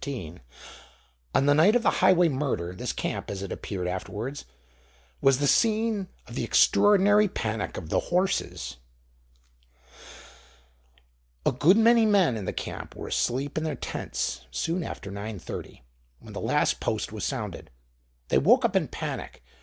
On the night of the Highway murder this camp, as it appeared afterwards, was the scene of the extraordinary panic of the horses. A good many men in the camp were asleep in their tents soon after 9:30, when the Last Post was sounded. They woke up in panic.